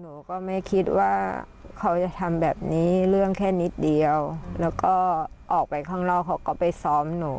หนูก็ไม่คิดว่าเขาจะทำแบบนี้เรื่องแค่นิดเดียวแล้วก็ออกไปข้างนอกเขาก็ไปซ้อมหนู